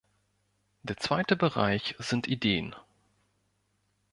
Der zweite Bereich sind Ideen.